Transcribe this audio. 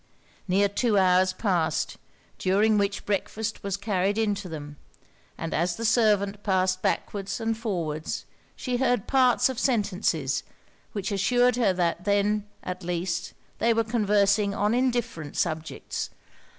Near two hours passed, during which breakfast was carried in to them; and as the servant passed backwards and forwards, she heard parts of sentences which assured her that then, at least, they were conversing on indifferent subjects.